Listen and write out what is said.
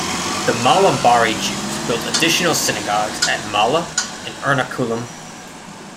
The Malabari Jews built additional synagogues at Mala and Ernakulam.